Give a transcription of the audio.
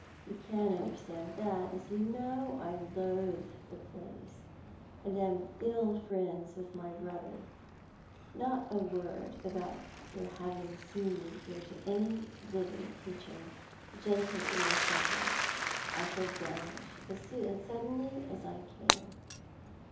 You can understand that, as you know I loathe the place, and am ill friends with my brother. Not a word aboiit your having seen me here to any living creature, gentle or simj^le. I shall vanish as suddenly as i came.